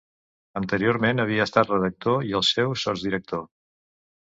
Anteriorment, havia estat redactor i el seu sotsdirector.